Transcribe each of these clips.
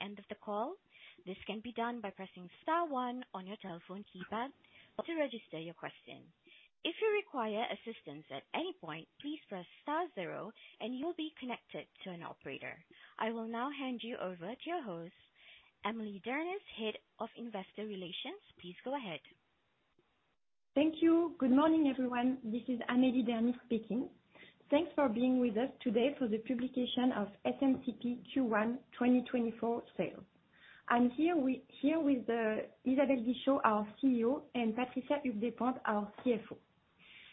End of the call. This can be done by pressing star 1 on your telephone keypad to register your question. If you require assistance at any point, please press star zero and you'll be connected to an operator. I will now hand you over to your host. Amélie Dernis, Head of Investor Relations, please go ahead. Thank you. Good morning, everyone. This is Amélie Dernis speaking. Thanks for being with us today for the publication of SMCP Q1 2024 sales. I'm here with Isabelle Guichot, our CEO, and Patricia Despointes, our CFO.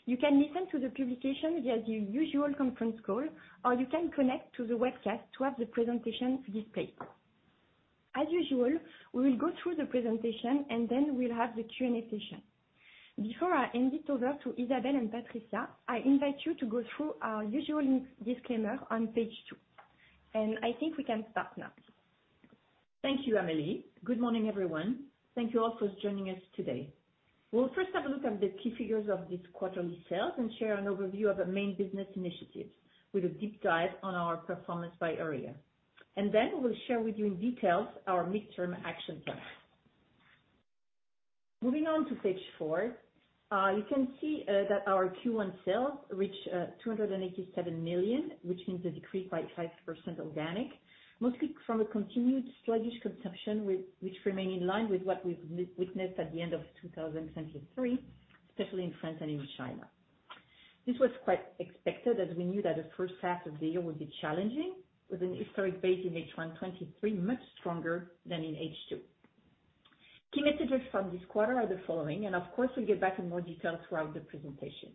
You can listen to the publication via the usual conference call, or you can connect to the webcast to have the presentation displayed. As usual, we will go through the presentation and then we'll have the Q&A session. Before I hand it over to Isabelle and Patricia, I invite you to go through our usual disclaimer on page 2. I think we can start now. Thank you, Amélie. Good morning, everyone. Thank you all for joining us today. We'll first have a look at the key figures of this quarterly sales and share an overview of the main business initiatives with a deep dive on our performance by area. Then we'll share with you in detail our midterm action plans. Moving on to page four, you can see that our Q1 sales reached 287 million, which means a decrease by 5% organic, mostly from a continued sluggish consumption, which remained in line with what we've witnessed at the end of 2023, especially in France and in China. This was quite expected as we knew that the first half of the year would be challenging, with an historic base in H1 2023 much stronger than in H2 2023. Key messages from this quarter are the following, and of course, we'll get back in more detail throughout the presentation.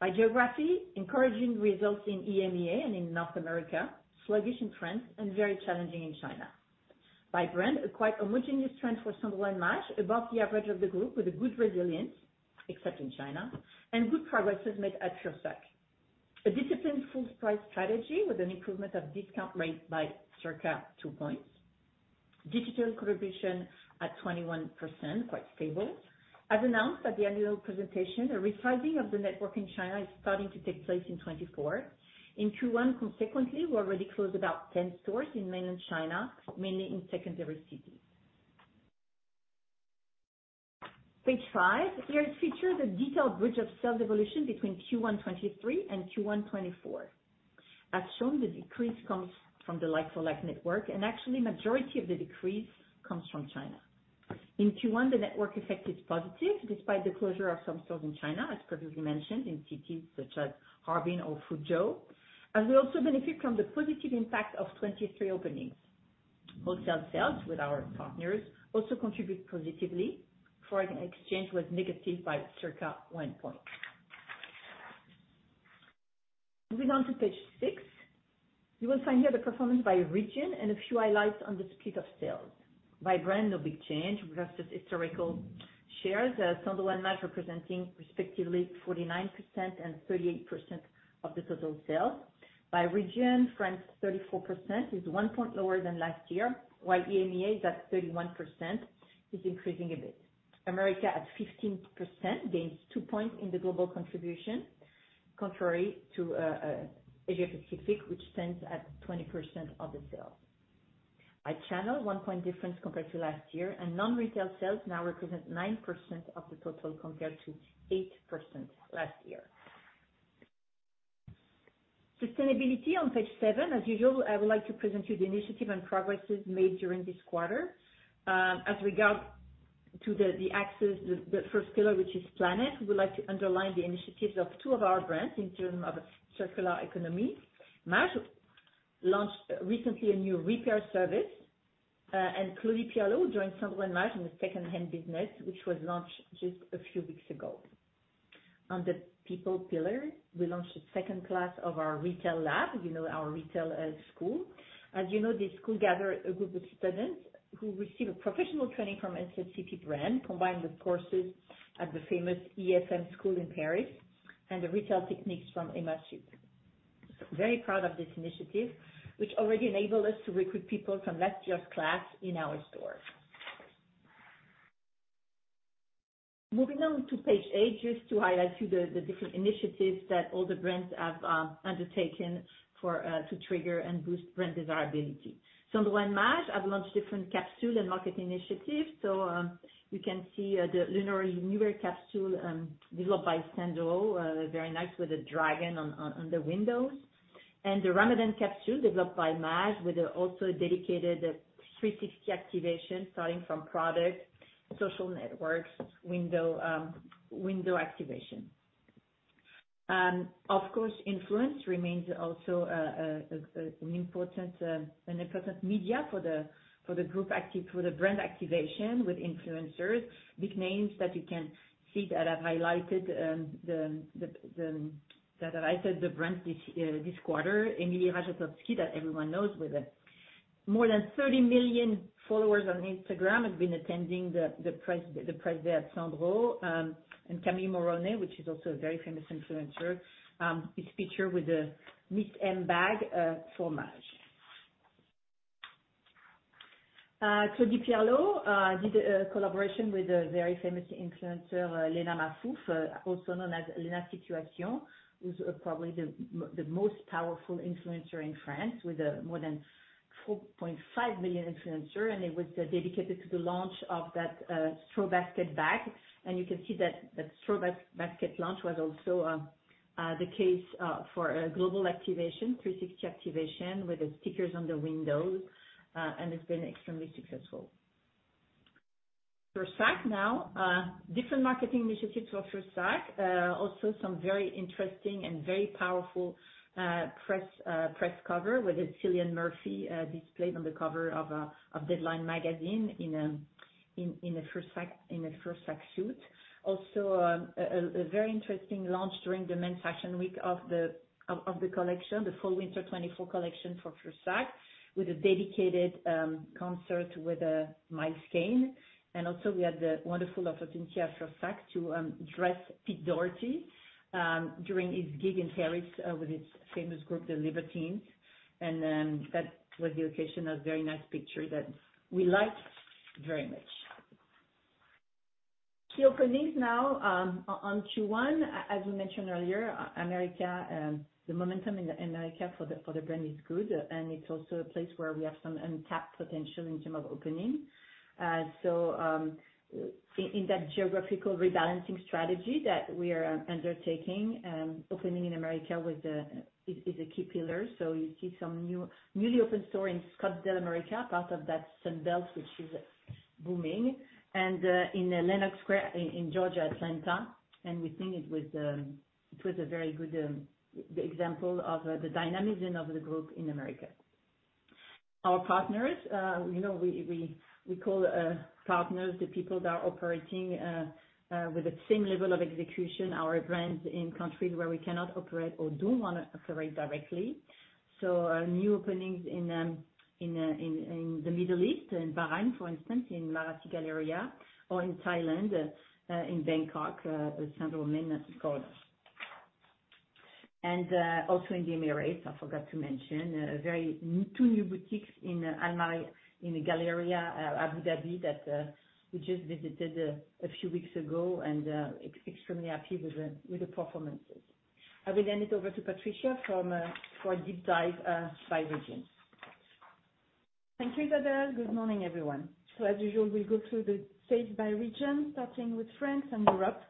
By geography, encouraging results in EMEA and in North America, sluggish in France, and very challenging in China. By brand, a quite homogeneous trend for Sandro, Maje, above the average of the group with a good resilience, except in China, and good progresses made at Fursac. A disciplined full-price strategy with an improvement of discount rates by circa 2 points. Digital contribution at 21%, quite stable. As announced at the annual presentation, a resizing of the network in China is starting to take place in 2024. In Q1, consequently, we already closed about 10 stores in mainland China, mainly in secondary cities. Page five here features a detailed bridge of sales evolution between Q1 2023 and Q1 2024. As shown, the decrease comes from the like-for-like network, and actually, the majority of the decrease comes from China. In Q1, the network effect is positive despite the closure of some stores in China, as previously mentioned, in cities such as Harbin or Fuzhou, as we also benefit from the positive impact of 2023 openings. Wholesale sales with our partners also contribute positively. Foreign exchange was negative by circa 1 point. Moving on to page six, you will find here the performance by region and a few highlights on the split of sales. By brand, no big change. We have just historical shares, Sandro and Maje representing respectively 49% and 38% of the total sales. By region, France's 34% is 1 point lower than last year, while EMEA's at 31% is increasing a bit. America at 15% gains 2 points in the global contribution, contrary to Asia Pacific, which stands at 20% of the sales. By channel, 1 point difference compared to last year, and non-retail sales now represent 9% of the total compared to 8% last year. Sustainability on page seven, as usual, I would like to present you the initiatives and progresses made during this quarter. As regard to the first pillar, which is planet, we would like to underline the initiatives of two of our brands in terms of a circular economy. Maje launched recently a new repair service, and Claudie Pierlot joined Sandro and Maje in the second-hand business, which was launched just a few weeks ago. On the people pillar, we launched a second class of our retail lab, our retail school. As you know, this school gathers a group of students who receive professional training from SMCP brand, combined with courses at the famous ESM school in Paris, and the retail techniques from experts' tips. Very proud of this initiative, which already enabled us to recruit people from last year's class in our store. Moving on to page eight, just to highlight you the different initiatives that all the brands have undertaken to trigger and boost brand desirability. Sandro and Maje has launched different capsule and marketing initiatives. So you can see the Lunar New Year capsule developed by Sandro, very nice with a dragon on the windows, and the Ramadan capsule developed by Maje with also a dedicated 360 activation starting from product, social networks, window activation. Of course, influence remains also an important media for the brand activation with influencers. Big names that you can see that have highlighted the brands this quarter, Emily Ratajkowski that everyone knows with more than 30 million followers on Instagram has been attending the press day at Sandro, and Camille Morrone, which is also a very famous influencer, is featured with a Miss M bag for Maje. Claudie Pierlot did a collaboration with the very famous influencer Léna Mahfouf, also known as Léna Situations, who's probably the most powerful influencer in France, with more than 4.5 million followers, and it was dedicated to the launch of that straw basket bag. You can see that that straw basket launch was also the case for global activation, 360 activation, with stickers on the windows, and it's been extremely successful. Fursac now, different marketing initiatives for Fursac, also some very interesting and very powerful press cover with Cillian Murphy displayed on the cover of Deadline magazine in a Fursac suit. Also, a very interesting launch during the men's fashion week of the collection, the fall winter 2024 collection for Fursac, with a dedicated concert with Miles Kane. And also, we had the wonderful opportunity at Fursac to dress Pete Doherty during his gig in Paris with his famous group, the Libertines. And that was the occasion of a very nice picture that we liked very much. Key openings now on Q1, as we mentioned earlier, the momentum in America for the brand is good, and it's also a place where we have some untapped potential in terms of opening. So in that geographical rebalancing strategy that we are undertaking, opening in America is a key pillar. So you see some newly opened stores in Scottsdale, America, part of that Sunbelt, which is booming, and in Lenox Square in Georgia, Atlanta. And we think it was a very good example of the dynamism of the group in America. Our partners, we call partners the people that are operating with the same level of execution, our brands in countries where we cannot operate or don't want to operate directly. So new openings in the Middle East, in Bahrain, for instance, in Marassi Galleria, or in Thailand, in Bangkok, Central Embassy. And also in the Emirates, I forgot to mention, two new boutiques in Al Maryah, in the Galleria, Abu Dhabi, that we just visited a few weeks ago and extremely happy with the performances. I will hand it over to Patricia for a deep dive by region. Thank you, Isabelle. Good morning, everyone. So as usual, we'll go through the sales by region, starting with France and Europe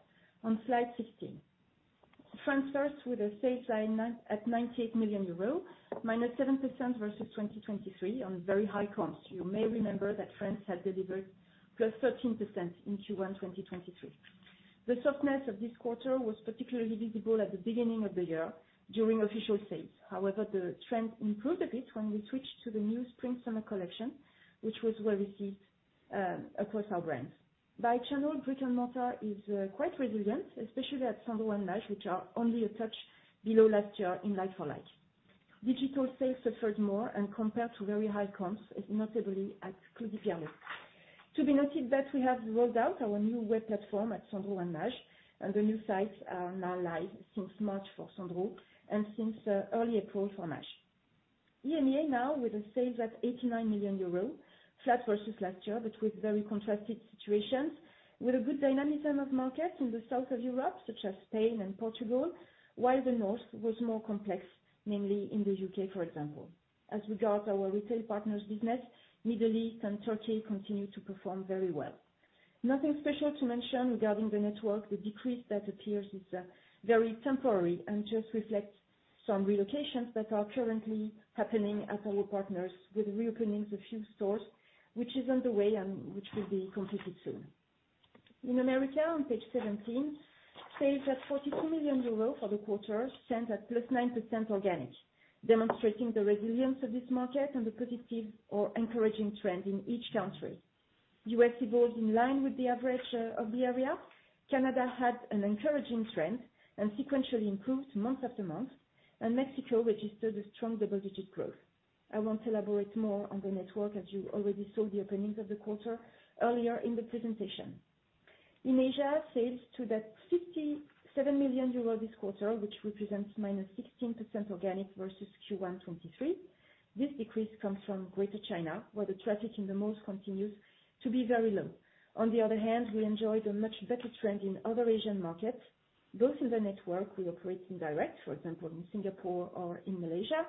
on slide 16. France first with a sales line at 98 million euros minus 7% versus 2023 on very high comps. You may remember that France had delivered plus 13% in Q1 2023. The softness of this quarter was particularly visible at the beginning of the year during official sales. However, the trend improved a bit when we switched to the new spring/summer collection, which was well received across our brands. By channel, Brick and Mortar is quite resilient, especially at Sandro and Maje, which are only a touch below last year in like-for-like. Digital sales suffered more and compared to very high comps, notably at Claudie Pierlot. To be noted that we have rolled out our new web platform at Sandro and Maje, and the new sites are now live since March for Sandro and since early April for Maje. EMEA now with sales at 89 million euros, flat versus last year, but with very contrasted situations, with a good dynamism of markets in the south of Europe, such as Spain and Portugal, while the north was more complex, mainly in the UK, for example. As regards our retail partners' business, Middle East and Turkey continue to perform very well. Nothing special to mention regarding the network. The decrease that appears is very temporary and just reflects some relocations that are currently happening at our partners with reopenings of a few stores, which is underway and which will be completed soon. In America, on page 17, sales at 42 million euros for the quarter stand at +9% organic, demonstrating the resilience of this market and the positive or encouraging trend in each country. US evolved in line with the average of the area. Canada had an encouraging trend and sequentially improved month after month, and Mexico registered a strong double-digit growth. I won't elaborate more on the network as you already saw the openings of the quarter earlier in the presentation. In Asia, sales stood at 57 million euros this quarter, which represents -16% organic versus Q1 2023. This decrease comes from Greater China, where the traffic in the north continues to be very low. On the other hand, we enjoyed a much better trend in other Asian markets, both in the network we operate in direct, for example, in Singapore or in Malaysia,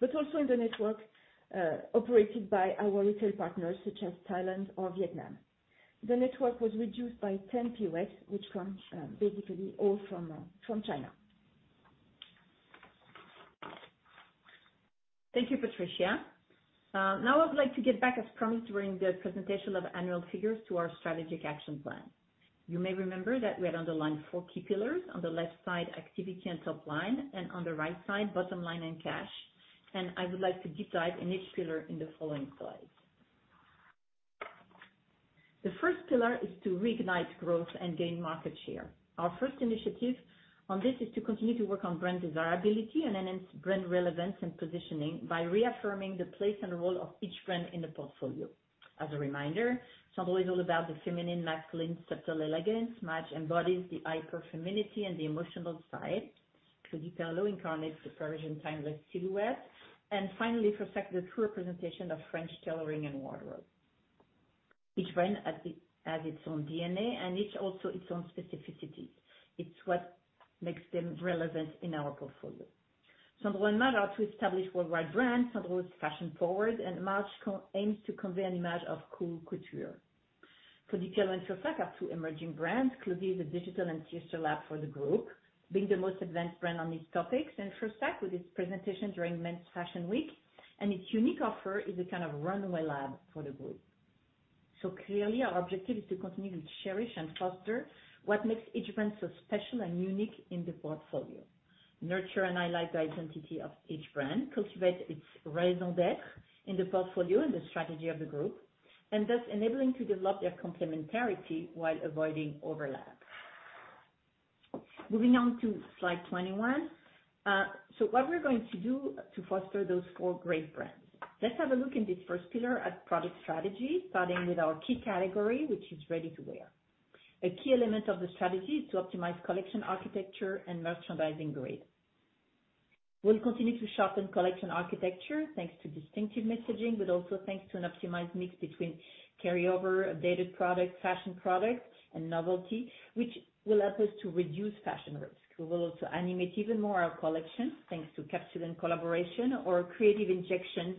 but also in the network operated by our retail partners such as Thailand or Vietnam. The network was reduced by 10 POS, which come basically all from China. Thank you, Patricia. Now I would like to get back, as promised, during the presentation of annual figures to our strategic action plan. You may remember that we had underlined four key pillars: on the left side, activity and top line, and on the right side, bottom line and cash. I would like to deep dive in each pillar in the following slides. The first pillar is to reignite growth and gain market share. Our first initiative on this is to continue to work on brand desirability and enhance brand relevance and positioning by reaffirming the place and role of each brand in the portfolio. As a reminder, Sandro is all about the feminine, masculine, subtle elegance. Maje embodies the hyperfemininity and the emotional side. Claudie Pierlot incarnates the Parisian timeless silhouette. And finally, Fursac is a true representation of French tailoring and wardrobe. Each brand has its own D&A and also its own specificities. It's what makes them relevant in our portfolio. Sandro Maje are two established worldwide brands. Sandro is fashion-forward, and Maje aims to convey an image of cool couture. Claudie Pierlot and Fursac are two emerging brands. Claudie is a digital and teaser lab for the group, being the most advanced brand on these topics, and Fursac, with its presentation during men's fashion week and its unique offer, is a kind of runway lab for the group. So clearly, our objective is to continue to cherish and foster what makes each brand so special and unique in the portfolio, nurture and highlight the identity of each brand, cultivate its raison d'être in the portfolio and the strategy of the group, and thus enabling to develop their complementarity while avoiding overlap. Moving on to slide 21. So what we're going to do to foster those four great brands? Let's have a look in this first pillar at product strategy, starting with our key category, which is ready-to-wear. A key element of the strategy is to optimize collection architecture and merchandising grid. We'll continue to sharpen collection architecture thanks to distinctive messaging, but also thanks to an optimized mix between carryover, updated products, fashion products, and novelty, which will help us to reduce fashion risk. We will also animate even more our collections thanks to capsule and collaboration or creative injections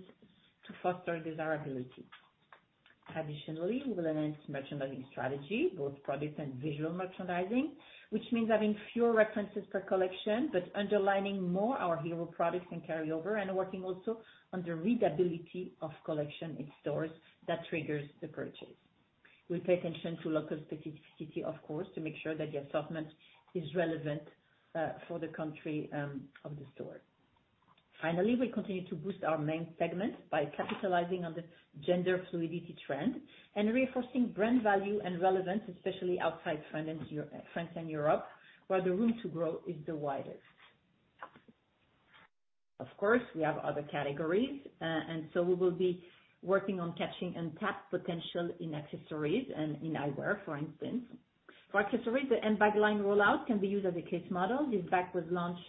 to foster desirability. Traditionally, we will enhance merchandising strategy, both product and visual merchandising, which means having fewer references per collection but underlining more our hero products and carryover and working also on the readability of collection in stores that triggers the purchase. We'll pay attention to local specificity, of course, to make sure that the assortment is relevant for the country of the store. Finally, we continue to boost our main segment by capitalizing on the gender fluidity trend and reinforcing brand value and relevance, especially outside France and Europe, where the room to grow is the widest. Of course, we have other categories, and so we will be working on catching untapped potential in accessories and in eyewear, for instance. For accessories, the M bag line rollout can be used as a case model. This bag was launched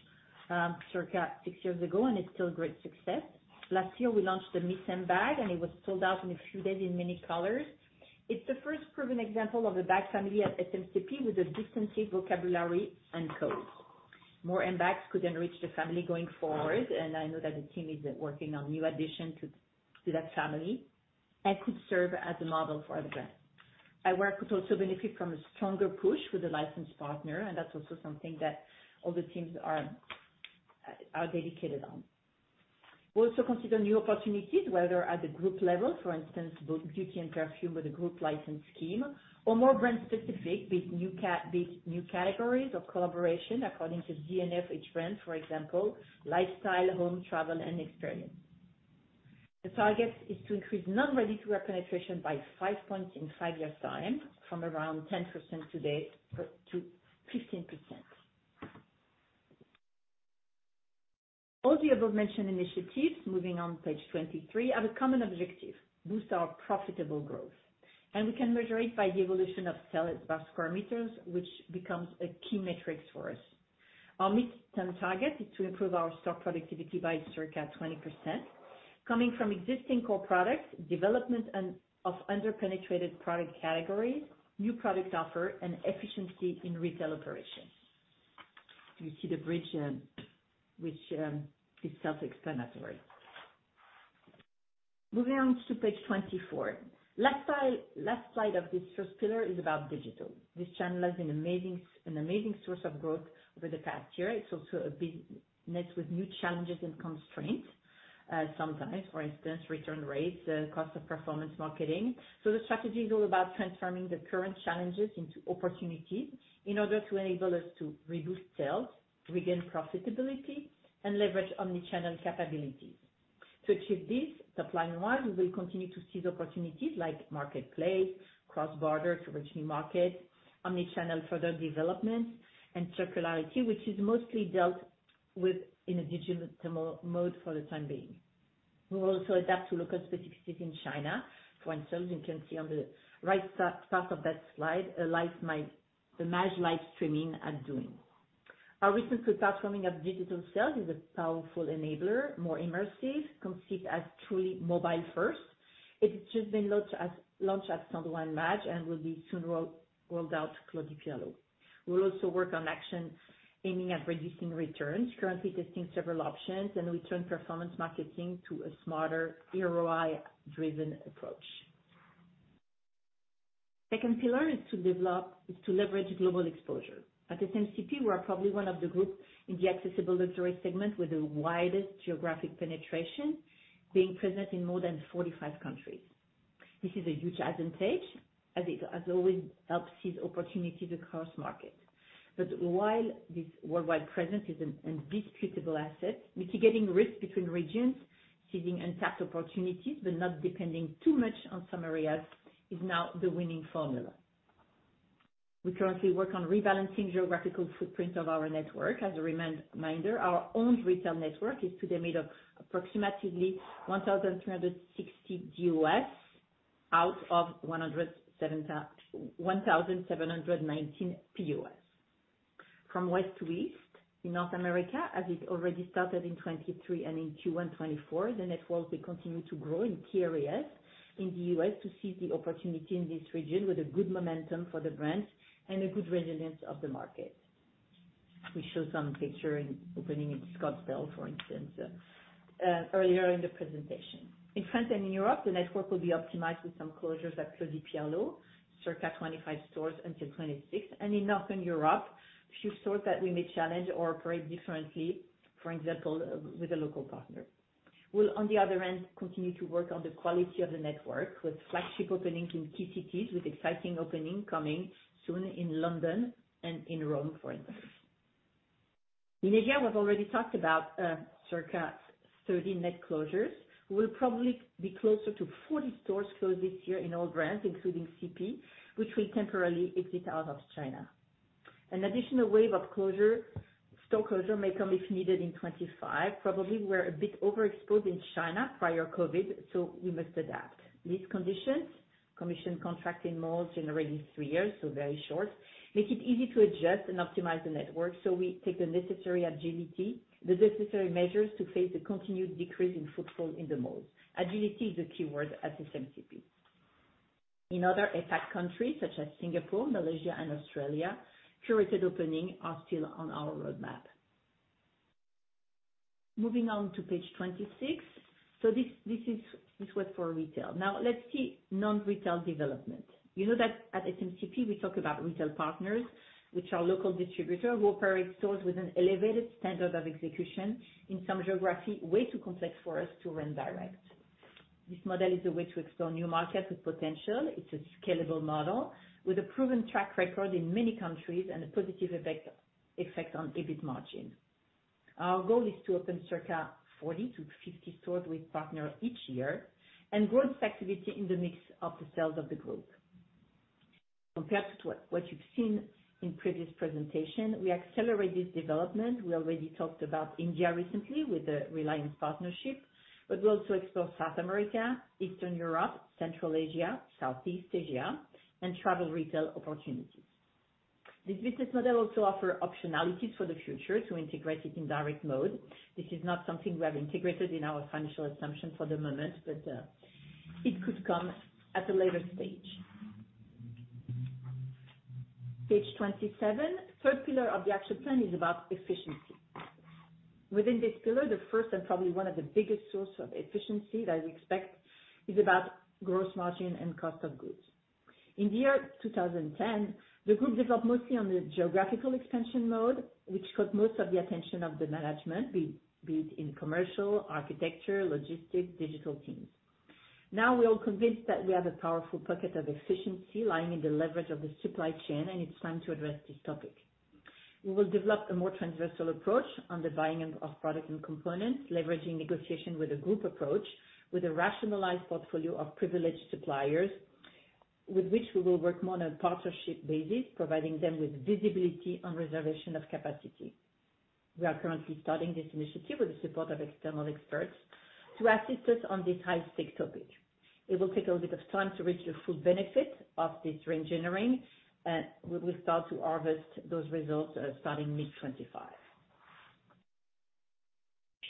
circa six years ago, and it's still a great success. Last year, we launched the Miss M bag, and it was sold out in a few days in many colors. It's the first proven example of a bag family at SMCP with a distinctive vocabulary and codes. More M bags could enrich the family going forward, and I know that the team is working on new additions to that family and could serve as a model for other brands. Eyewear could also benefit from a stronger push with a licensed partner, and that's also something that all the teams are dedicated on. We also consider new opportunities, whether at the group level, for instance, both beauty and perfume with a group license scheme, or more brand-specific, be it new categories of collaboration according to the DNA of each brand, for example, lifestyle, home, travel, and experience. The target is to increase non-ready-to-wear penetration by five points in five years' time from around 10% today to 15%. All the above-mentioned initiatives, moving on page 23, have a common objective: boost our profitable growth. We can measure it by the evolution of sales per square meter, which becomes a key metric for us. Our mid-term target is to improve our stock productivity by circa 20%, coming from existing core products, development of under-penetrated product categories, new product offer, and efficiency in retail operations. You see the bridge, which is self-explanatory. Moving on to page 24. Last slide of this first pillar is about digital. This channel has been an amazing source of growth over the past year. It's also a business with new challenges and constraints sometimes, for instance, return rates, cost of performance marketing. So the strategy is all about transforming the current challenges into opportunities in order to enable us to reboost sales, regain profitability, and leverage omnichannel capabilities. To achieve this, top line-wise, we will continue to seize opportunities like marketplace, cross-border to reach new markets, omnichannel further developments, and circularity, which is mostly dealt with in a digital mode for the time being. We will also adapt to local specificities in China. For instance, you can see on the right part of that slide the Maje live streaming at Douyin. Our recent replatforming of digital sales is a powerful enabler, more immersive, conceived as truly mobile-first. It has just been launched at Sandro and Maje and will be soon rolled out to Claudie Pierlot. We'll also work on actions aiming at reducing returns, currently testing several options, and return performance marketing to a smarter ROI-driven approach. Second pillar is to leverage global exposure. At SMCP, we are probably one of the groups in the accessible luxury segment with the widest geographic penetration, being present in more than 45 countries. This is a huge advantage, as it has always helped seize opportunities across markets. But while this worldwide presence is an indisputable asset, mitigating risks between regions, seizing untapped opportunities, but not depending too much on some areas, is now the winning formula. We currently work on rebalancing the geographical footprint of our network. As a reminder, our own retail network is today made of approximately 1,360 DOS out of 1,719 POS. From west to east in North America, as it already started in 2023 and in Q1 2024, the network will continue to grow in key areas in the U.S. to seize the opportunity in this region with a good momentum for the brands and a good resilience of the market. We showed some picture in opening in Scottsdale, for instance, earlier in the presentation. In France and in Europe, the network will be optimized with some closures at Claudie Pierlot, circa 25 stores until 2026. And in Northern Europe, a few stores that we may challenge or operate differently, for example, with a local partner. We'll, on the other hand, continue to work on the quality of the network with flagship openings in key cities, with exciting openings coming soon in London and in Rome, for instance. In Asia, we've already talked about circa 30 net closures. We will probably be closer to 40 stores closed this year in all brands, including CP, which will temporarily exit out of China. An additional wave of store closure may come if needed in 2025, probably. We were a bit overexposed in China prior COVID, so we must adapt. These conditions, commission contract in malls generally three years, so very short, make it easy to adjust and optimize the network. So we take the necessary agility, the necessary measures to face the continued decrease in footfall in the malls. Agility is the keyword at SMCP. In other APAC countries such as Singapore, Malaysia, and Australia, curated openings are still on our roadmap. Moving on to page 26. So this was for retail. Now let's see non-retail development. You know that at SMCP, we talk about retail partners, which are local distributors who operate stores with an elevated standard of execution in some geography way too complex for us to run direct. This model is a way to explore new markets with potential. It's a scalable model with a proven track record in many countries and a positive effect on EBIT margin. Our goal is to open circa 40-50 stores with partners each year and grow this activity in the mix of the sales of the group. Compared to what you've seen in previous presentations, we accelerate this development. We already talked about India recently with the Reliance partnership, but we also explore South America, Eastern Europe, Central Asia, Southeast Asia, and travel retail opportunities. This business model also offers optionalities for the future to integrate it in direct mode. This is not something we have integrated in our financial assumption for the moment, but it could come at a later stage. Page 27. Third pillar of the action plan is about efficiency. Within this pillar, the first and probably one of the biggest sources of efficiency that we expect is about gross margin and cost of goods. In the year 2010, the group developed mostly on the geographical expansion mode, which caught most of the attention of the management, be it in commercial, architecture, logistics, digital teams. Now we're all convinced that we have a powerful pocket of efficiency lying in the leverage of the supply chain, and it's time to address this topic. We will develop a more transversal approach on the buying of products and components, leveraging negotiation with a group approach with a rationalized portfolio of privileged suppliers, with which we will work more on a partnership basis, providing them with visibility on reservation of capacity. We are currently starting this initiative with the support of external experts to assist us on this high-stakes topic. It will take a little bit of time to reach the full benefit of this range-generating, and we will start to harvest those results starting mid-2025. Few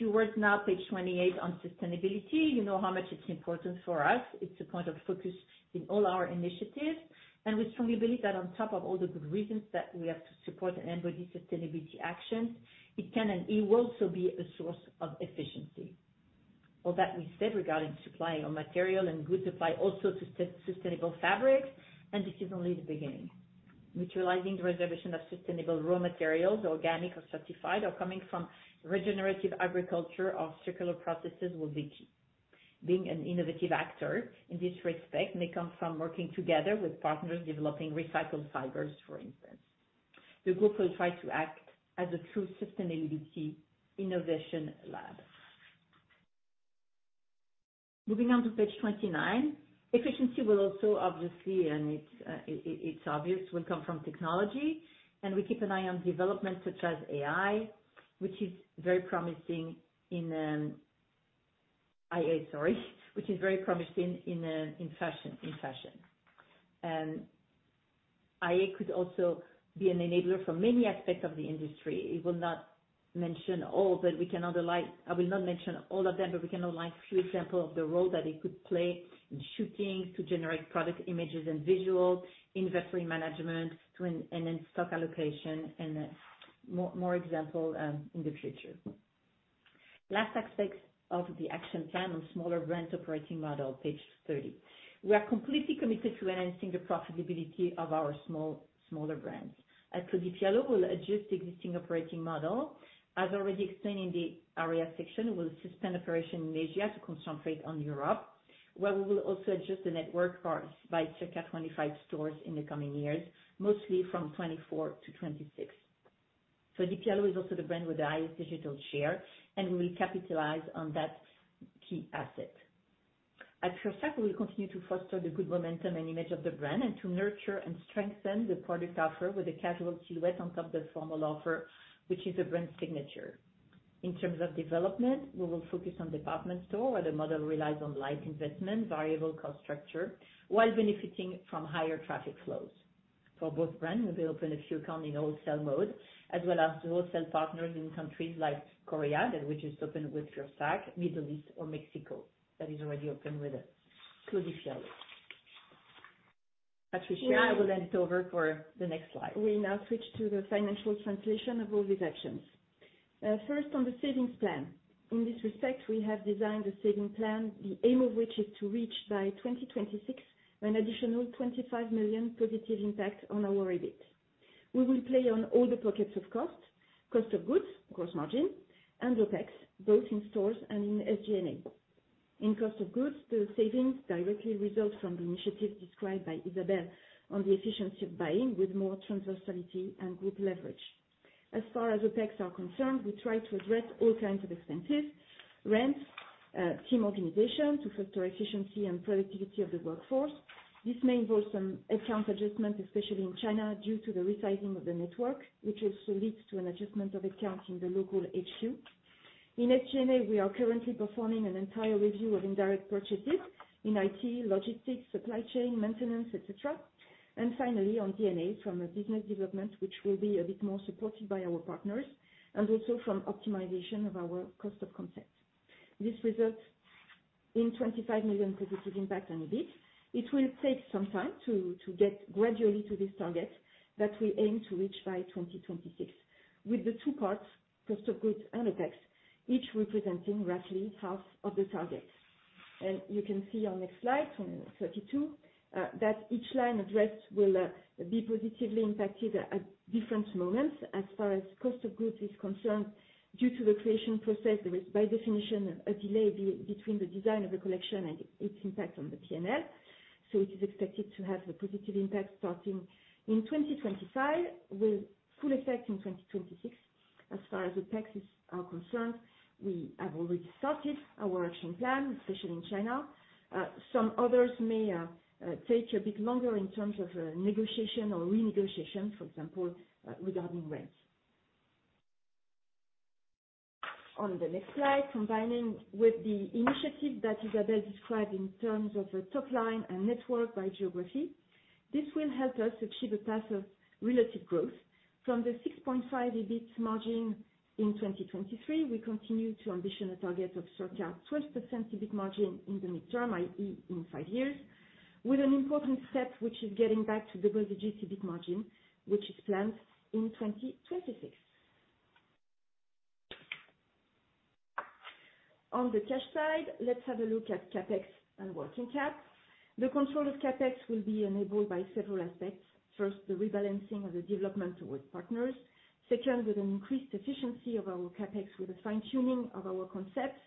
words now, page 28, on sustainability. You know how much it's important for us. It's a point of focus in all our initiatives, and we strongly believe that on top of all the good reasons that we have to support and embody sustainability actions, it can and it will also be a source of efficiency. All that we said regarding supply of material and good supply, also to sustainable fabrics, and this is only the beginning. Utilizing the reservation of sustainable raw materials, organic or certified, or coming from regenerative agriculture or circular processes will be key. Being an innovative actor in this respect may come from working together with partners developing recycled fibers, for instance. The group will try to act as a true sustainability innovation lab. Moving on to page 29. Efficiency will also, obviously, and it's obvious, will come from technology, and we keep an eye on developments such as AI, which is very promising in AI, sorry, which is very promising in fashion. And AI could also be an enabler for many aspects of the industry. It will not mention all, but we can underline. I will not mention all of them, but we can outline a few examples of the role that it could play in shooting to generate product images and visuals, inventory management, and then stock allocation, and more examples in the future. Last aspects of the action plan on smaller brands operating model, page 30. We are completely committed to enhancing the profitability of our smaller brands. At Claudie Pierlot, we will adjust the existing operating model. As already explained in the earlier section, we will suspend operation in Asia to concentrate on Europe, where we will also adjust the network by circa 25 stores in the coming years, mostly from 2024 to 2026. Claudie Pierlot is also the brand with the highest digital share, and we will capitalize on that key asset. At Fursac, we will continue to foster the good momentum and image of the brand and to nurture and strengthen the product offer with a casual silhouette on top of the formal offer, which is the brand signature. In terms of development, we will focus on department store, where the model relies on light investment, variable cost structure, while benefiting from higher traffic flows. For both brands, we will open a few accounts in wholesale mode, as well as wholesale partners in countries like Korea, which is open with Fursac, Middle East, or Mexico that is already open with Claudie Pierlot. Patricia, I will hand it over for the next slide. We now switch to the financial translation of all these actions. First, on the savings plan. In this respect, we have designed a savings plan, the aim of which is to reach by 2026 an additional 25 million positive impact on our EBIT. We will play on all the pockets of cost: cost of goods, gross margin, and OpEx, both in stores and in SG&A. In cost of goods, the savings directly result from the initiative described by Isabelle on the efficiency of buying with more transversality and group leverage. As far as OpEx are concerned, we try to address all kinds of expenses: rent, team organization to foster efficiency and productivity of the workforce. This may involve some account adjustments, especially in China due to the resizing of the network, which also leads to an adjustment of accounts in the local HQ. In SG&A, we are currently performing an entire review of indirect purchases in IT, logistics, supply chain, maintenance, etc., and finally, on D&A from business development, which will be a bit more supported by our partners, and also from optimization of our cost of concept. This results in 25 million positive impact on EBIT. It will take some time to get gradually to this target that we aim to reach by 2026, with the two parts, cost of goods and OPEX, each representing roughly half of the target. You can see on next slide, 32, that each line addressed will be positively impacted at different moments. As far as cost of goods is concerned, due to the creation process, there is, by definition, a delay between the design of the collection and its impact on the P&L. So it is expected to have the positive impact starting in 2025 with full effect in 2026. As far as OpEx is concerned, we have already started our action plan, especially in China. Some others may take a bit longer in terms of negotiation or renegotiation, for example, regarding rent. On the next slide, combining with the initiative that Isabelle described in terms of top line and network by geography, this will help us achieve a path of relative growth. From the 6.5 EBIT margin in 2023, we continue to ambition a target of circa 12% EBIT margin in the midterm, i.e., in five years, with an important step, which is getting back to double the EBIT margin, which is planned in 2026. On the cash side, let's have a look at CapEx and working cap. The control of CapEx will be enabled by several aspects. First, the rebalancing of the development towards partners. Second, with an increased efficiency of our CAPEX with a fine-tuning of our concepts,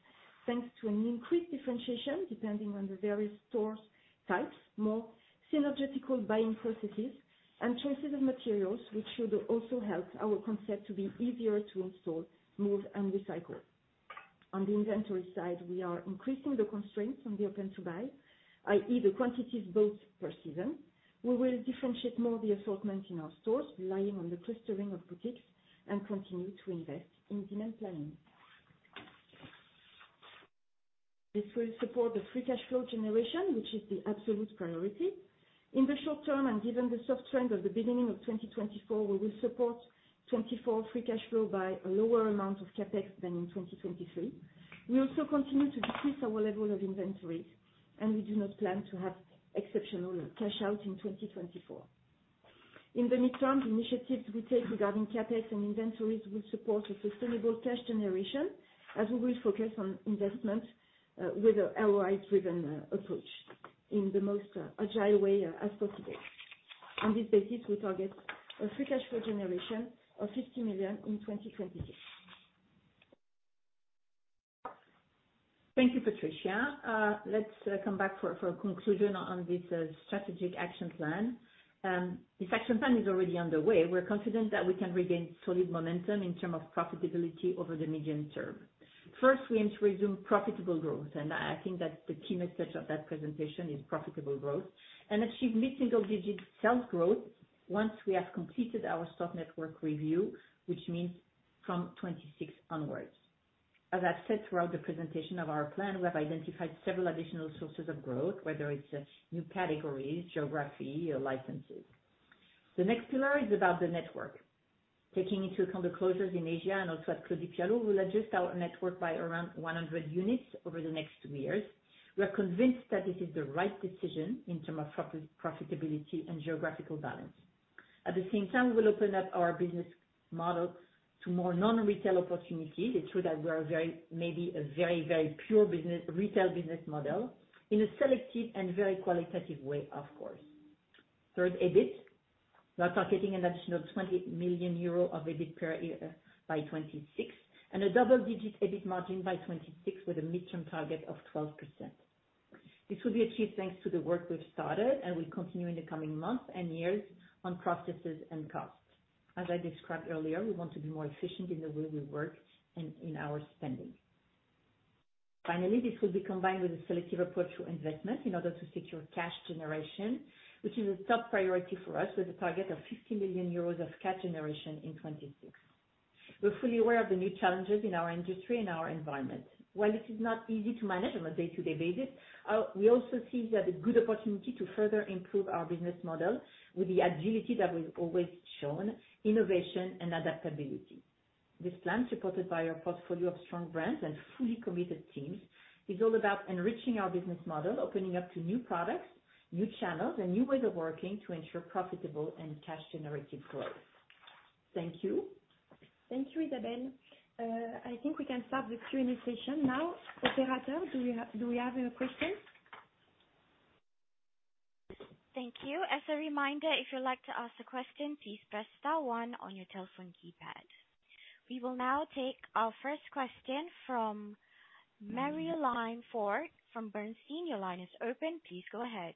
thanks to an increased differentiation depending on the various store types, more synergetical buying processes, and choices of materials, which should also help our concept to be easier to install, move, and recycle. On the inventory side, we are increasing the constraints on the open-to-buy, i.e., the quantities bought per season. We will differentiate more the assortment in our stores relying on the clustering of boutiques and continue to invest in demand planning. This will support the free cash flow generation, which is the absolute priority. In the short term, and given the soft trend of the beginning of 2024, we will support 2024 free cash flow by a lower amount of CAPEX than in 2023. We also continue to decrease our level of inventories, and we do not plan to have exceptional cash out in 2024. In the midterm, the initiatives we take regarding CapEx and inventories will support a sustainable cash generation, as we will focus on investment with an ROI-driven approach in the most agile way as possible. On this basis, we target a free cash flow generation of 50 million in 2026. Thank you, Patricia. Let's come back for a conclusion on this strategic action plan. This action plan is already underway. We're confident that we can regain solid momentum in terms of profitability over the median term. First, we aim to resume profitable growth, and I think that the key message of that presentation is profitable growth and achieve mid-single-digit sales growth once we have completed our stock network review, which means from 2026 onwards. As I've said throughout the presentation of our plan, we have identified several additional sources of growth, whether it's new categories, geography, or licenses. The next pillar is about the network. Taking into account the closures in Asia and also at Claudie Pierlot, we will adjust our network by around 100 units over the next two years. We are convinced that this is the right decision in terms of profitability and geographical balance. At the same time, we will open up our business model to more non-retail opportunities. It's true that we are maybe a very, very pure retail business model in a selective and very qualitative way, of course. Third EBIT. We are targeting an additional 20 million euro of EBIT by 2026 and a double-digit EBIT margin by 2026 with a midterm target of 12%. This will be achieved thanks to the work we've started and will continue in the coming months and years on processes and costs. As I described earlier, we want to be more efficient in the way we work and in our spending. Finally, this will be combined with a selective approach to investment in order to secure cash generation, which is a top priority for us with a target of 50 million euros of cash generation in 2026. We're fully aware of the new challenges in our industry and our environment. While it is not easy to manage on a day-to-day basis, we also see that it's a good opportunity to further improve our business model with the agility that we've always shown, innovation, and adaptability. This plan, supported by our portfolio of strong brands and fully committed teams, is all about enriching our business model, opening up to new products, new channels, and new ways of working to ensure profitable and cash-generative growth. Thank you. Thank you, Isabelle. I think we can start the Q&A session now. Operator, do we have a question? Thank you. As a reminder, if you'd like to ask a question, please press star one on your telephone keypad. We will now take our first question from Marie-Line Fort from Bernstein. Your line is open. Please go ahead.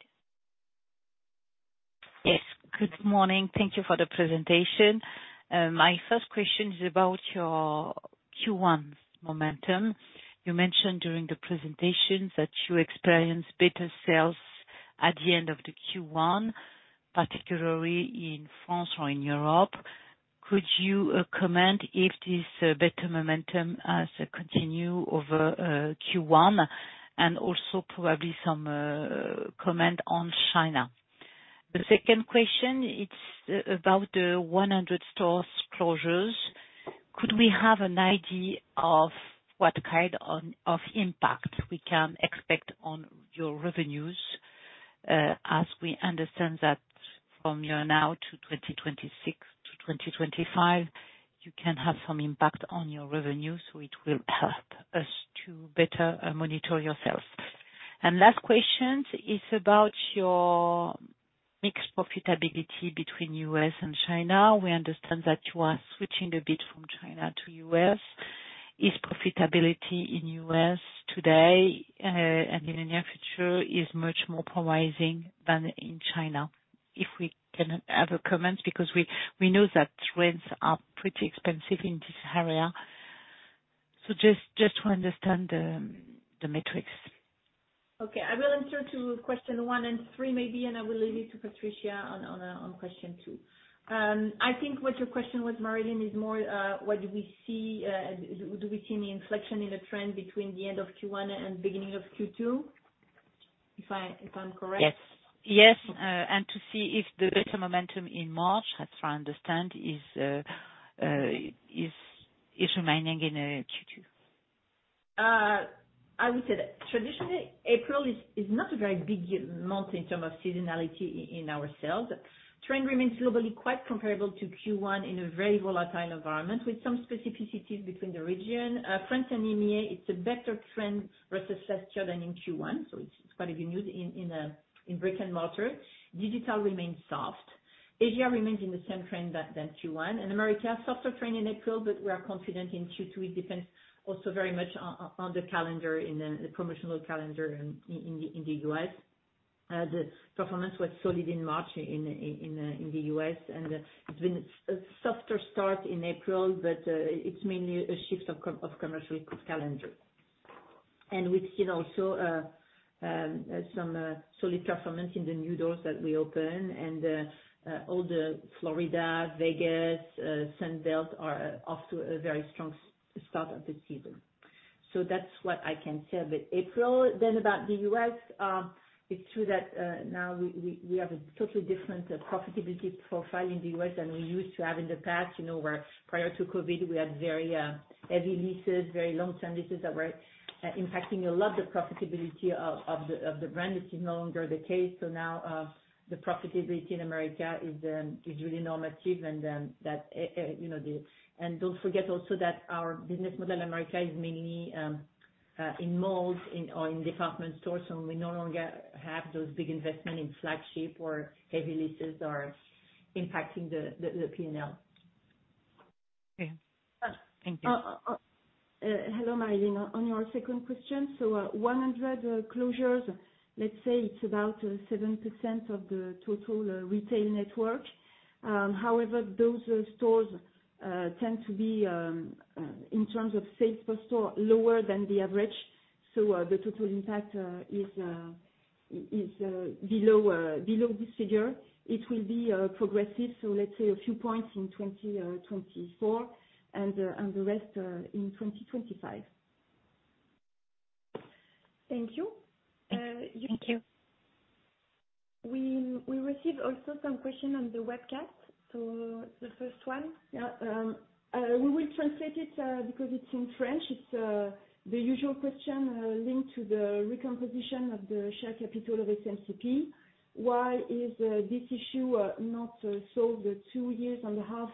Yes. Good morning. Thank you for the presentation. My first question is about your Q1 momentum. You mentioned during the presentation that you experienced better sales at the end of the Q1, particularly in France or in Europe. Could you comment if this better momentum continues over Q1 and also probably some comment on China? The second question, it's about the 100 stores closures. Could we have an idea of what kind of impact we can expect on your revenues? As we understand that from now to 2026 to 2025, you can have some impact on your revenues, so it will help us to better monitor yourself. Last question is about your mixed profitability between the U.S. and China. We understand that you are switching a bit from China to the U.S. Is profitability in the U.S. today and in the near future much more promising than in China? If we can have comments because we know that rents are pretty expensive in this area. So just to understand the metrics. Okay. I will answer to question one and three maybe, and I will leave it to Patricia on question two. I think what your question was, Maryline, is more what do we see? Do we see any inflection in the trend between the end of Q1 and beginning of Q2, if I'm correct? Yes. Yes. And to see if the better momentum in March, as far as I understand, is remaining in Q2. I would say that traditionally, April is not a very big month in terms of seasonality in our sales. Trend remains globally quite comparable to Q1 in a very volatile environment with some specificities between the region. France and EMEA, it's a better trend versus last year than in Q1, so it's quite a good news in brick and mortar. Digital remains soft. Asia remains in the same trend than Q1. America, softer trend in April, but we are confident in Q2. It depends also very much on the calendar, the promotional calendar in the U.S. The performance was solid in March in the U.S., and it's been a softer start in April, but it's mainly a shift of commercial calendar. We've seen also some solid performance in the new doors that we open, and all the Florida, Vegas, Sunbelt are off to a very strong start of the season. That's what I can say about April. About the U.S., it's true that now we have a totally different profitability profile in the U.S. than we used to have in the past, where prior to COVID, we had very heavy leases, very long-term leases that were impacting a lot the profitability of the brand. It is no longer the case. So now the profitability in America is really normative, and don't forget also that our business model in America is mainly in malls or in department stores, so we no longer have those big investments in flagship or heavy leases that are impacting the P&L. Okay. Thank you. Hello, Marie-Line. On your second question, so 100 closures, let's say it's about 7% of the total retail network. However, those stores tend to be, in terms of sales per store, lower than the average, so the total impact is below this figure. It will be progressive, so let's say a few points in 2024 and the rest in 2025. Thank you. Thank you. We receive also some questions on the webcast. So the first one, we will translate it because it's in French. It's the usual question linked to the recomposition of the share capital of SMCP. Why is this issue not solved two years and a half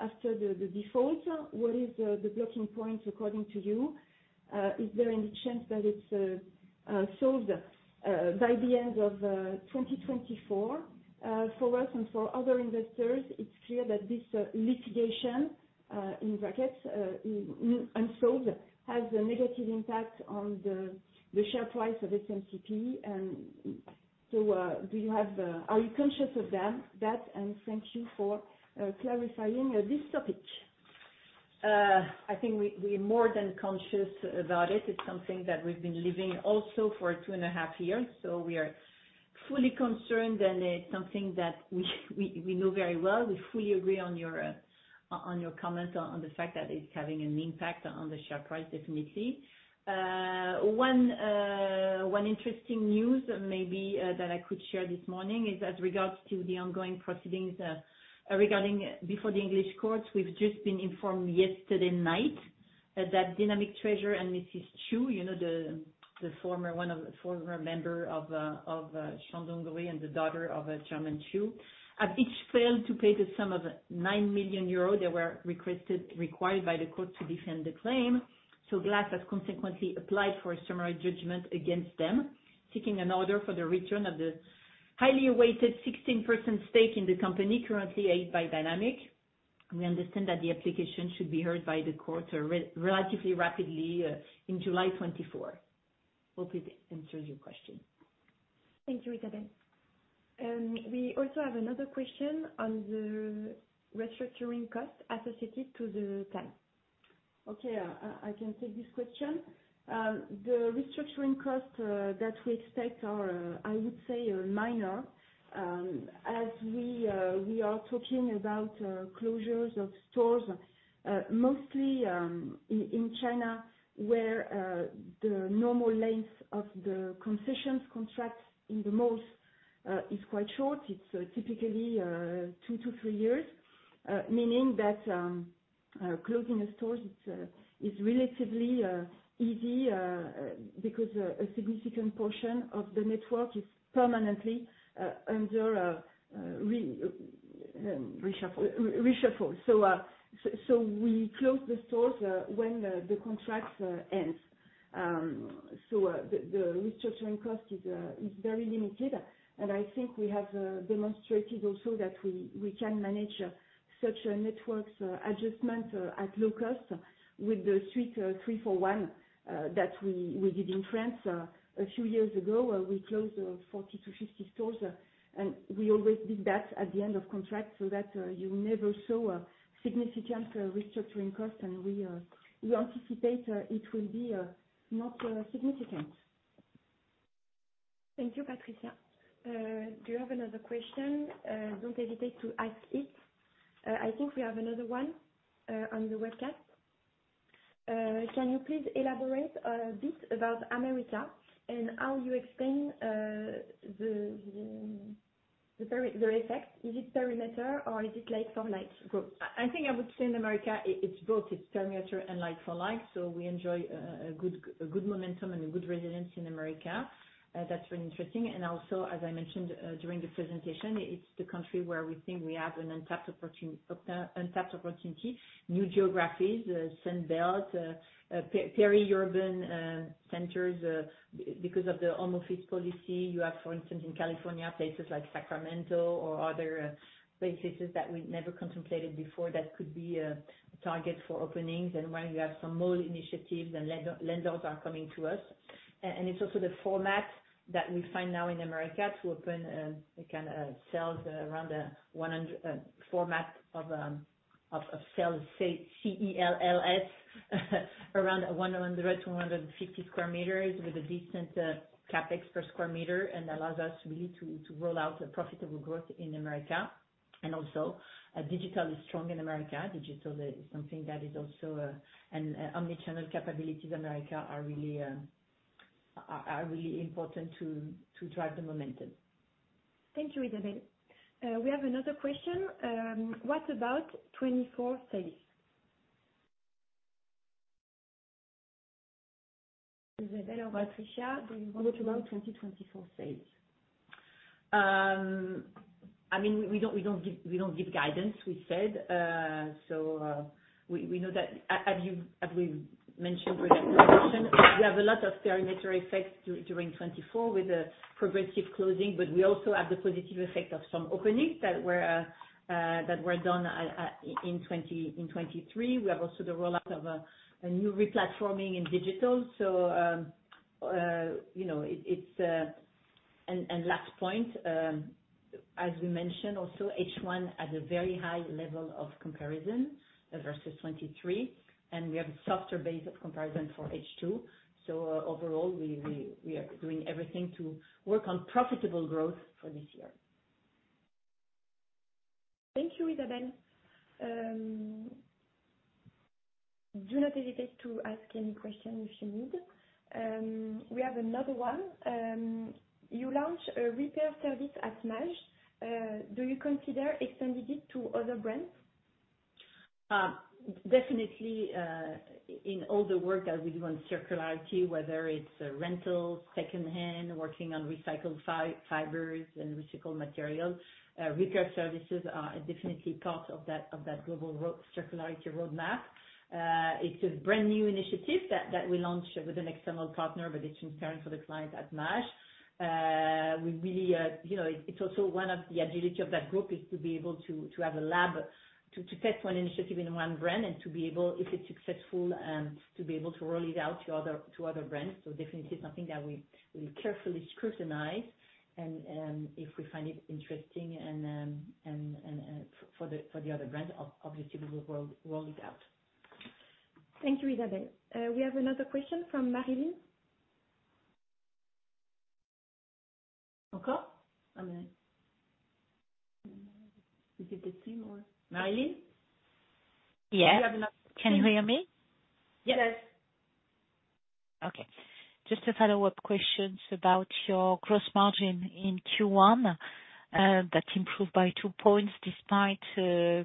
after the default? What is the blocking point, according to you? Is there any chance that it's solved by the end of 2024? For us and for other investors, it's clear that this litigation (unsolved) has a negative impact on the share price of SMCP. So, are you conscious of that? And thank you for clarifying this topic. I think we're more than conscious about it. It's something that we've been living also for two and a half years, so we are fully concerned, and it's something that we know very well. We fully agree on your comment on the fact that it's having an impact on the share price, definitely. One interesting news maybe that I could share this morning is as regards to the ongoing proceedings regarding before the English courts. We've just been informed yesterday night that Dynamic Treasure and Mrs. Qiu, the former member of Shandong Group and the daughter of Chairman Qiu, have each failed to pay the sum of 9 million euros they were required by the court to defend the claim. So GLAS has consequently applied for a summary judgment against them, seeking an order for the return of the highly awaited 16% stake in the company, currently held by Dynamic. We understand that the application should be heard by the court relatively rapidly in July 2024. Hope it answers your question. Thank you, Isabelle. We also have another question on the restructuring costs associated to the plan. Okay. I can take this question. The restructuring costs that we expect are, I would say, minor. As we are talking about closures of stores, mostly in China, where the normal length of the concessions contracts in the malls is quite short, it's typically two-three years, meaning that closing the stores, it's relatively easy because a significant portion of the network is permanently under reshuffle. Reshuffle. So we close the stores when the contracts end. So the restructuring cost is very limited, and I think we have demonstrated also that we can manage such networks' adjustment at low cost with the Suite 341 that we did in France a few years ago, where we closed 40-50 stores. And we always did that at the end of contracts so that you never saw significant restructuring costs, and we anticipate it will be not significant. Thank you, Patricia. Do you have another question? Don't hesitate to ask it. I think we have another one on the webcast. Can you please elaborate a bit about America and how you explain the effect? Is it perimeter or is it like-for-like growth? I think I would say in America, it's both. It's perimeter and like-for-like, so we enjoy a good momentum and a good resilience in America. That's really interesting. And also, as I mentioned during the presentation, it's the country where we think we have an untapped opportunity, new geographies, Sunbelt, peri-urban centers. Because of the home office policy, you have, for instance, in California, places like Sacramento or other places that we never contemplated before that could be a target for openings and where you have some mall initiatives and lenders are coming to us. And it's also the format that we find now in America to open kind of sales around a format of sales, cells, around 100-250 sq m with a decent CAPEX per square meter and allows us really to roll out profitable growth in America. And also, digital is strong in America. Digital is something that is also and omnichannel capabilities in America are really important to drive the momentum. Thank you, Isabelle. We have another question. What about 2024 sales? Isabelle or Patricia, do you want to? What about 2024 sales? I mean, we don't give guidance, we said. So we know that, as we've mentioned with our discussion, we have a lot of perimeter effects during 2024 with the progressive closing, but we also have the positive effect of some openings that were done in 2023. We have also the roll-out of a new replatforming in digital. So, it's our last point, as we mentioned also, H1 has a very high level of comparison versus 2023, and we have a softer base of comparison for H2. So overall, we are doing everything to work on profitable growth for this year. Thank you, Isabelle. Do not hesitate to ask any question if you need. We have another one. You launch a repair service at Maje. Do you consider extending it to other brands? Definitely. In all the work that we do on circularity, whether it's rentals, secondhand, working on recycled fibers and recycled materials, repair services are definitely part of that global circularity roadmap. It's a brand new initiative that we launched with an external partner, but it's transparent for the client at Maje. We really, it's also one of the agility of that group is to be able to have a lab to test one initiative in one brand and to be able, if it's successful, to be able to roll it out to other brands. So definitely something that we will carefully scrutinize. And if we find it interesting for the other brands, obviously, we will roll it out. Thank you, Isabelle. We have another question from Marie-Line. Encore? I mean, is it the same or Marie-Line Yes. Can you hear me? Yes. Yes. Okay. Just to follow up questions about your gross margin in Q1 that improved by two points despite the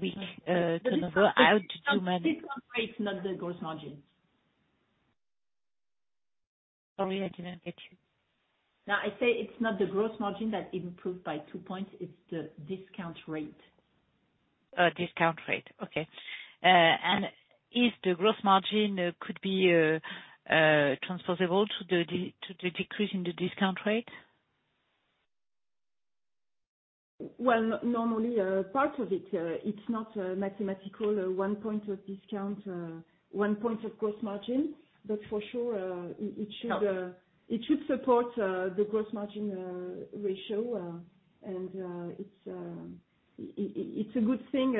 weak turnover out to manage. Discount rate is not the gross margin. Sorry, I didn't get you. No, I say it's not the gross margin that improved by two points. It's the discount rate. Discount rate. Okay. Is the gross margin could be transposable to the decrease in the discount rate? Well, normally, part of it. It's not mathematical 1 point of discount, 1 point of gross margin, but for sure, it should support the gross margin ratio. And it's a good thing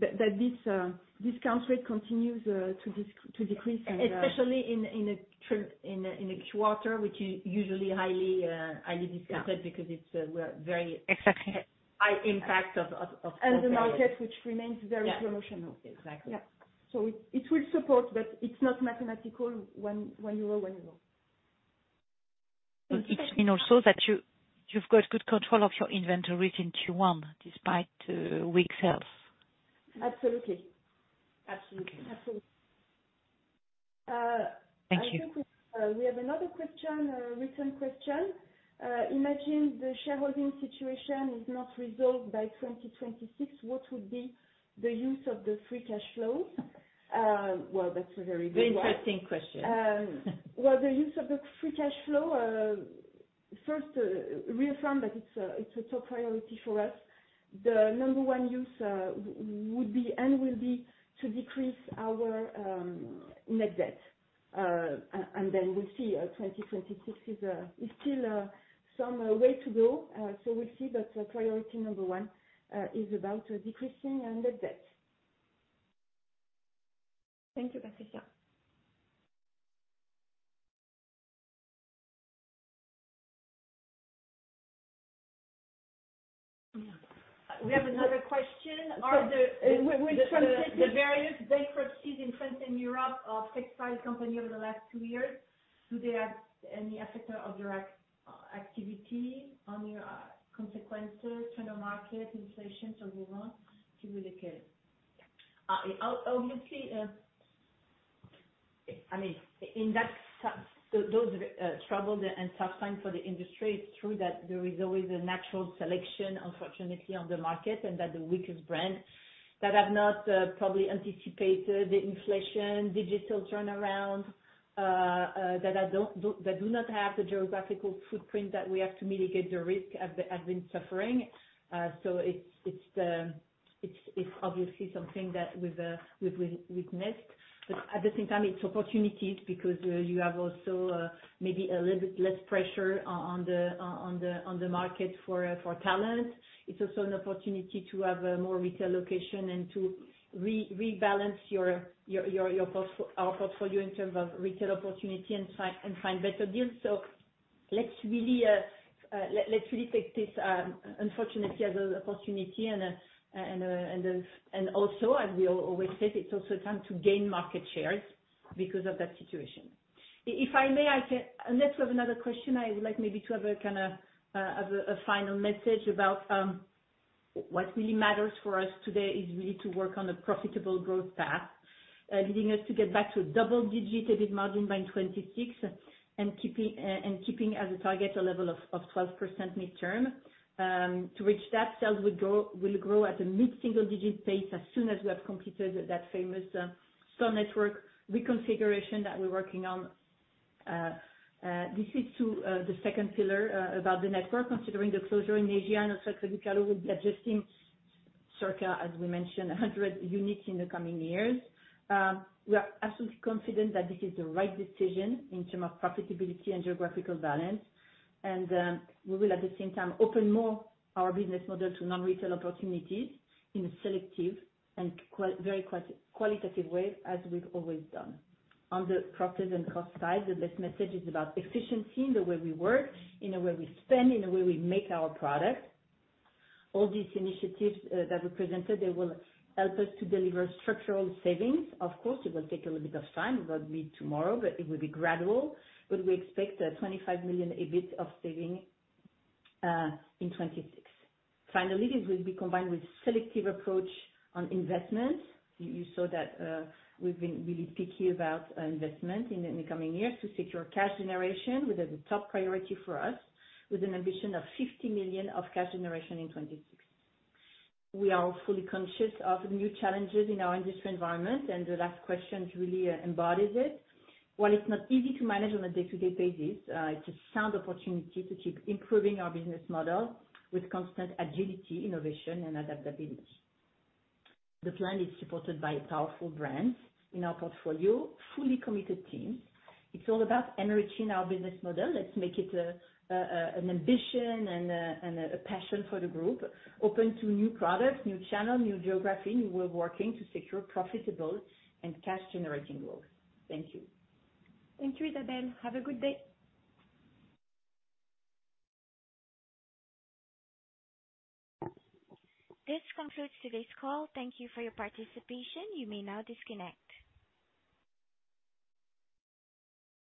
that this discount rate continues to decrease and. Especially in a quarter, which is usually highly discounted because we're very high impact of. And the market, which remains very promotional. Exactly. Yeah. So it will support, but it's not mathematical EUR 1, EUR 1. Thank you. It means also that you've got good control of your inventories in Q1 despite weak sales. Absolutely. Absolutely. Absolutely. Thank you. I think we have another question, written question. Imagine the shareholding situation is not resolved by 2026. What would be the use of the free cash flow? Well, that's a very good one. Very interesting question. Well, the use of the free cash flow, first, reaffirm that it's a top priority for us. The number one use would be and will be to decrease our net debt. And then we'll see. 2026 is still some way to go, so we'll see. But priority number one is about decreasing net debt. Thank you, Patricia. We have another question. Are the various bankruptcies in France and Europe of textile companies over the last two years, do they have any effect on your activity, on your consequences, turn of market, inflation, so on and so on? If you will, I can. Obviously, I mean, in that, those troubled and tough times for the industry, it's true that there is always a natural selection, unfortunately, on the market and that the weakest brands that have not probably anticipated the inflation, digital turnaround, that do not have the geographical footprint that we have to mitigate the risk have been suffering. So it's obviously something that we've witnessed. But at the same time, it's opportunities because you have also maybe a little bit less pressure on the market for talent. It's also an opportunity to have more retail location and to rebalance our portfolio in terms of retail opportunity and find better deals. So let's really take this, unfortunately, as an opportunity. And also, as we always said, it's also time to gain market shares because of that situation. If I may, unless we have another question, I would like maybe to have a kind of a final message about what really matters for us today is really to work on a profitable growth path leading us to get back to a double-digit EBIT margin by 2026 and keeping as a target a level of 12% mid-term. To reach that, sales will grow at a mid-single-digit pace as soon as we have completed that famous store network reconfiguration that we're working on. This is to the second pillar about the network, considering the closure in Asia. I know we will be closing circa 100 units, as we mentioned, in the coming years. We are absolutely confident that this is the right decision in terms of profitability and geographical balance. We will, at the same time, open more our business model to non-retail opportunities in a selective and very qualitative way as we've always done. On the profit and cost side, the best message is about efficiency in the way we work, in the way we spend, in the way we make our product. All these initiatives that we presented, they will help us to deliver structural savings. Of course, it will take a little bit of time. It will be tomorrow, but it will be gradual. But we expect 25 million EBIT of saving in 2026. Finally, this will be combined with a selective approach on investment. You saw that we've been really picky about investment in the coming years to secure cash generation, which is a top priority for us, with an ambition of 50 million of cash generation in 2026. We are fully conscious of new challenges in our industry environment, and the last question really embodies it. While it's not easy to manage on a day-to-day basis, it's a sound opportunity to keep improving our business model with constant agility, innovation, and adaptability. The plan is supported by powerful brands in our portfolio, fully committed teams. It's all about enriching our business model. Let's make it an ambition and a passion for the group, open to new products, new channel, new geography, new way of working to secure profitable and cash-generating growth. Thank you. Thank you, Isabelle. Have a good day. This concludes today's call. Thank you for your participation. You may now disconnect.